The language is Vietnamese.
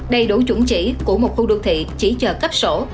đầy đủ chuẩn chỉ của một khu đô thị chỉ chờ cấp sổ